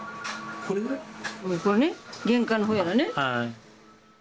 これね、玄関のほうやね。